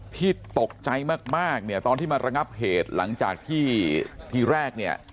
ที่ตกใจมากเนี่ยตอนที่มาระงับเหตุหลังจากที่ทีแรกเนี่ย